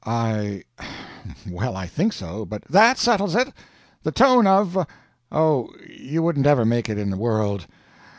"I well, I think so, but " "That settles it. The tone of oh, you wouldn't ever make it in the world.